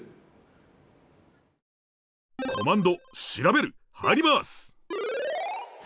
コマンド「しらべる」入ります！